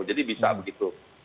jadi bisa begitu